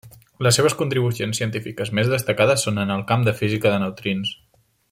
Les seves contribucions científiques més destacades són en el camp de física de neutrins.